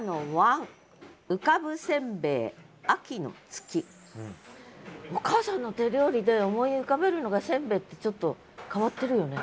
次はお母さんの手料理で思い浮かべるのがせんべいってちょっと変わってるよね。